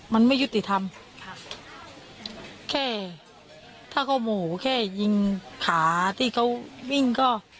มันไม่ยุติธรรมค่ะแค่ถ้าเขาโมโหแค่ยิงขาที่เขาวิ่งก็